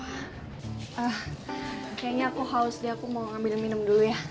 ah kayaknya aku haus deh aku mau ngambilin minum dulu ya